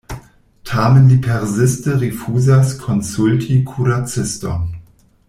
Tamen li persiste rifuzas konsulti kuraciston.